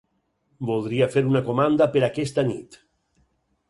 Voldria fer una comanda per aquesta nit.